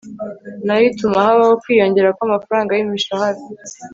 nayo ituma habaho kwiyongera kw'amafaranga y'imishahara